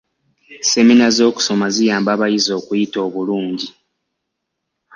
Semina z'okusoma ziyamba abayizi okuyita obulungi.